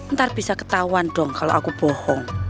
ntar bisa ketahuan dong kalau aku bohong